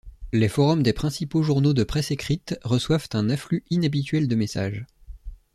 Les forums des principaux journaux de presse écrite reçoivent un afflux inhabituel de messages.